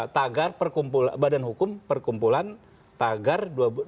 tagar badan hukum perkumpulan tagar dua ribu sembilan belas